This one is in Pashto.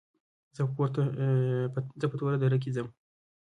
زه په توره دره کې ځم.